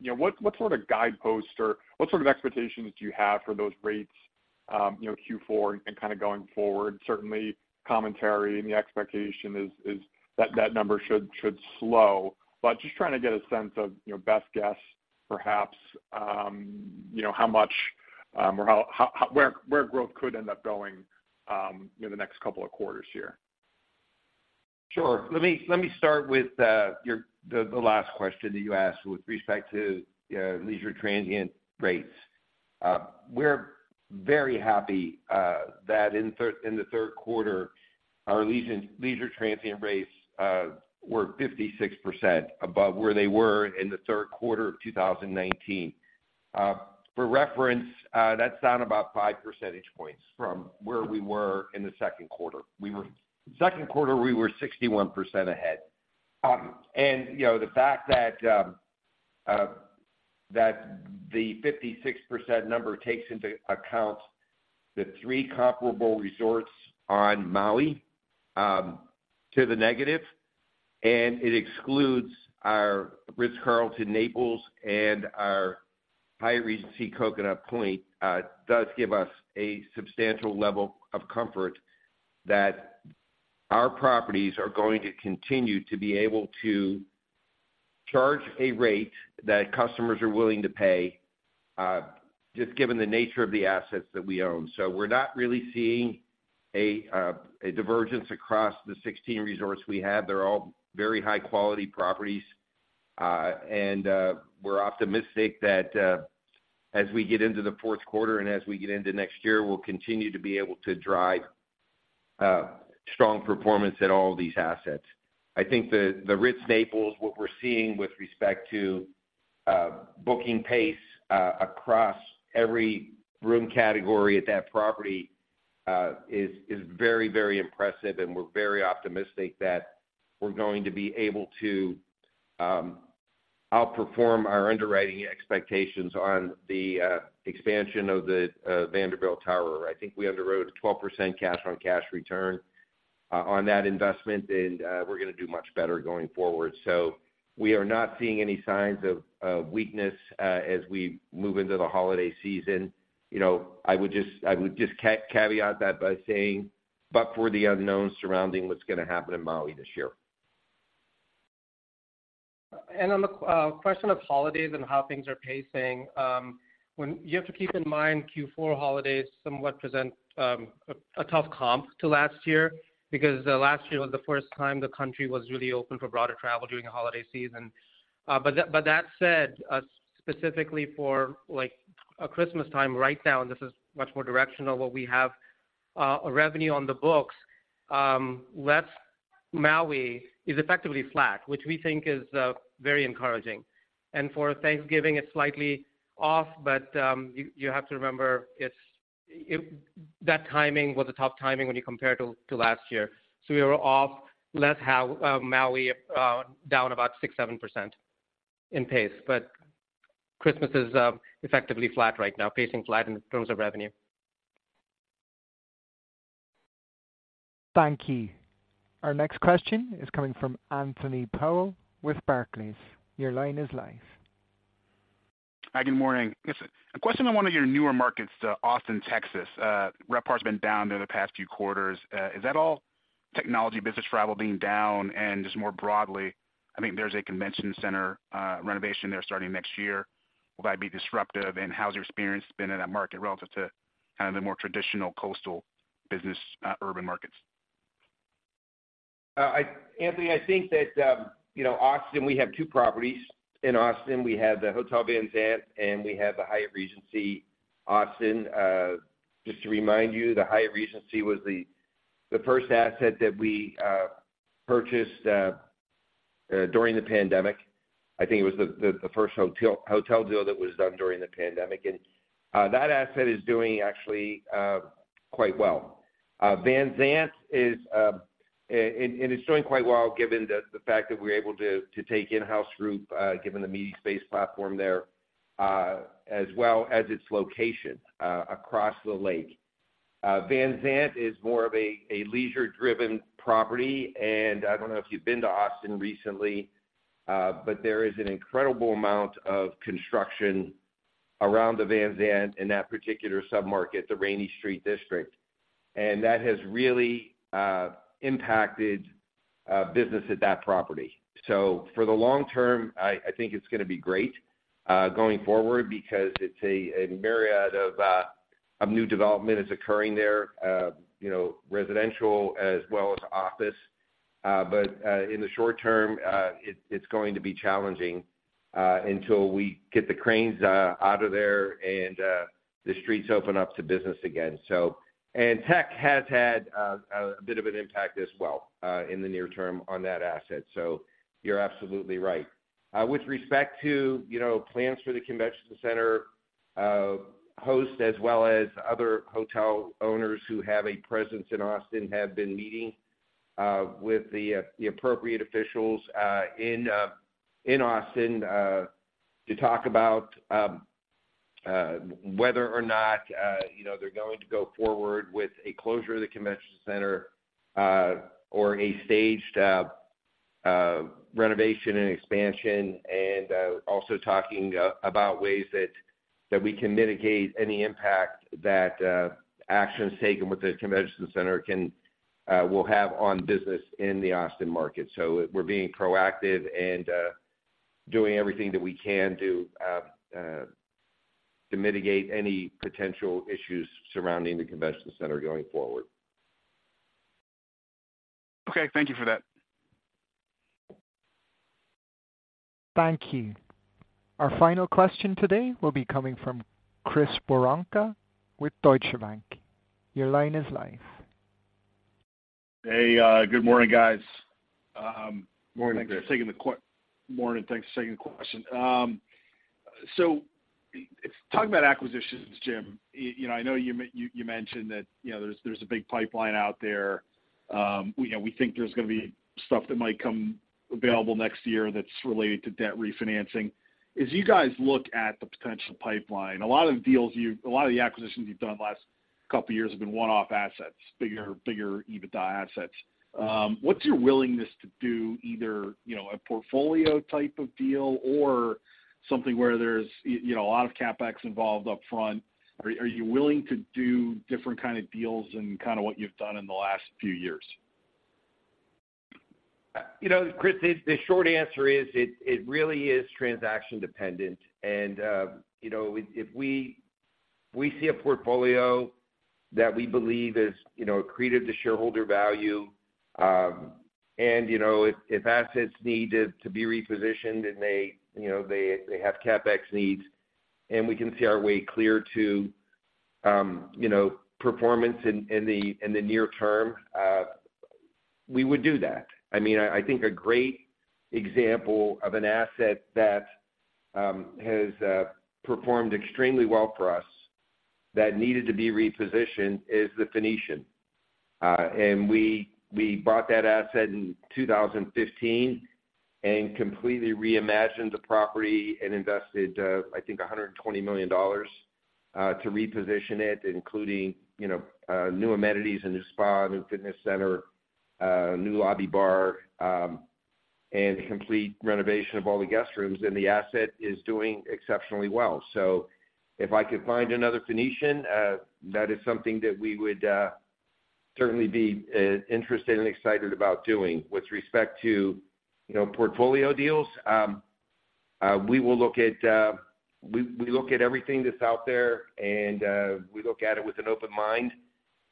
You know, what sort of guidepost or what sort of expectations do you have for those rates, you know, Q4 and kind of going forward? Certainly, commentary and the expectation is that that number should slow. But just trying to get a sense of, you know, best guess, perhaps, you know, how much, or how, where growth could end up going, in the next couple of quarters here. Sure. Let me start with the last question that you asked with respect to leisure transient rates. We're very happy that in the Q3, our leisure transient rates were 56% above where they were in the Q3 of 2019. For reference, that's down about five percentage points from where we were in the Q2. In the Q2, we were 61% ahead. And, you know, the fact that the 56% number takes into account the three comparable resorts on Maui to the negative, and it excludes our Ritz-Carlton Naples and our Hyatt Regency Coconut Point does give us a substantial level of comfort that our properties are going to continue to be able to charge a rate that customers are willing to pay, just given the nature of the assets that we own. So we're not really seeing a divergence across the 16 resorts we have. They're all very high-quality properties. And we're optimistic that as we get into the Q4 and as we get into next year, we'll continue to be able to drive strong performance at all of these assets. I think the Ritz-Carlton, Naples, what we're seeing with respect to booking pace across every room category at that property is very, very impressive, and we're very optimistic that we're going to be able to outperform our underwriting expectations on the expansion of the Vanderbilt Tower. I think we underwrote a 12% cash-on-cash return on that investment, and we're gonna do much better going forward. So we are not seeing any signs of weakness as we move into the holiday season. You know, I would just caveat that by saying, but for the unknowns surrounding what's gonna happen in Maui this year. On the question of holidays and how things are pacing, when you have to keep in mind, Q4 holidays somewhat present a tough comp to last year, because last year was the first time the country was really open for broader travel during the holiday season. But that said, specifically for, like, Christmas time, right now, and this is much more directional, what we have a revenue on the books, less Maui is effectively flat, which we think is very encouraging. And for Thanksgiving, it's slightly off, but you have to remember, it's that timing was a tough timing when you compare to last year. So we were off, less Maui, down about 6-7% in pace. But Christmas is effectively flat right now, pacing flat in terms of revenue. Thank you. Our next question is coming from Anthony Powell with Barclays. Your line is live. Hi, good morning. Yes, a question on one of your newer markets to Austin, Texas. RevPAR's been down there the past few quarters. Is that all technology, business travel being down? And just more broadly, I think there's a convention center renovation there starting next year. Will that be disruptive, and how's your experience been in that market relative to kind of the more traditional coastal business urban markets? Anthony, I think that, you know, Austin, we have two properties. In Austin, we have the Hotel Van Zandt, and we have the Hyatt Regency Austin. Just to remind you, the Hyatt Regency was the first asset that we purchased during the pandemic. I think it was the first hotel deal that was done during the pandemic, and that asset is doing actually quite well. Van Zandt is, and it's doing quite well, given the fact that we're able to take in-house group, given the meeting space platform there, as well as its location across the lake. Van Zandt is more of a leisure-driven property, and I don't know if you've been to Austin recently, but there is an incredible amount of construction around the Van Zandt in that particular submarket, the Rainey Street District, and that has really impacted business at that property. So for the long term, I think it's gonna be great going forward because it's a myriad of new development occurring there, you know, residential as well as office. But in the short term, it's going to be challenging until we get the cranes out of there and the streets open up to business again. So... And tech has had a bit of an impact as well in the near term on that asset. So you're absolutely right. With respect to, you know, plans for the convention center, Host as well as other hotel owners who have a presence in Austin, have been meeting with the appropriate officials in Austin to talk about whether or not, you know, they're going to go forward with a closure of the convention center or a staged renovation and expansion, and also talking about ways that we can mitigate any impact that actions taken with the convention center will have on business in the Austin market. So we're being proactive and doing everything that we can to mitigate any potential issues surrounding the convention center going forward. Okay, thank you for that. Thank you. Our final question today will be coming from Chris Woronka with Deutsche Bank. Your line is live. Hey, good morning, guys. Morning, Chris. Morning, thanks for taking the question. So talking about acquisitions, Jim, you know, I know you mentioned that, you know, there's a big pipeline out there. We know, we think there's gonna be stuff that might come available next year that's related to debt refinancing. As you guys look at the potential pipeline, a lot of the acquisitions you've done in the last couple of years have been one-off assets, bigger EBITDA assets. What's your willingness to do either, you know, a portfolio type of deal or something where there's, you know, a lot of CapEx involved upfront? Are you willing to do different kind of deals than kind of what you've done in the last few years? You know, Chris, the short answer is, it really is transaction dependent, and, you know, if we see a portfolio that we believe is, you know, accretive to shareholder value, and, you know, if assets need to be repositioned and they, you know, they have CapEx needs and we can see our way clear to, you know, performance in the near term, we would do that. I mean, I think a great example of an asset that has performed extremely well for us, that needed to be repositioned, is The Phoenician. We bought that asset in 2015, and completely reimagined the property and invested, I think $120 million, to reposition it, including, you know, new amenities and a spa, new fitness center, new lobby bar, and complete renovation of all the guest rooms, and the asset is doing exceptionally well. So if I could find another Venetian, that is something that we would certainly be interested and excited about doing. With respect to, you know, portfolio deals, we look at everything that's out there, and we look at it with an open mind.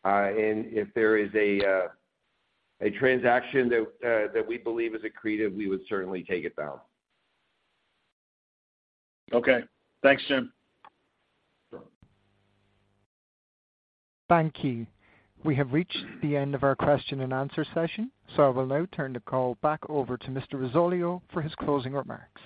And if there is a transaction that we believe is accretive, we would certainly take it down. Okay. Thanks, Jim. Thank you. We have reached the end of our question and answer session, so I will now turn the call back over to Mr. Risoleo for his closing remarks.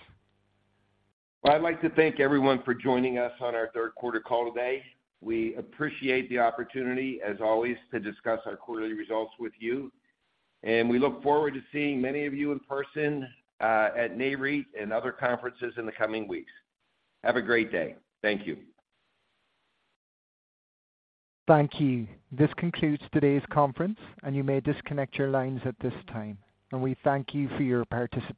I'd like to thank everyone for joining us on our Q3 call today. We appreciate the opportunity, as always, to discuss our quarterly results with you, and we look forward to seeing many of you in person, at NAREIT and other conferences in the coming weeks. Have a great day. Thank you. Thank you. This concludes today's conference, and you may disconnect your lines at this time, and we thank you for your participation.